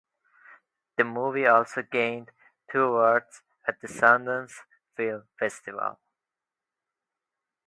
The movie also gained two awards at the Sundance Film Festival.